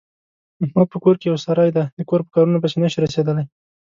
احمد په کور کې یو سری دی، د کور په کارنو پسې نشي رسېدلی.